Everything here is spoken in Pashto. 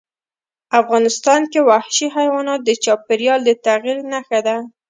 افغانستان کې وحشي حیوانات د چاپېریال د تغیر نښه ده.